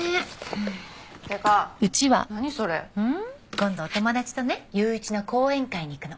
今度お友達とね雄一の講演会に行くの。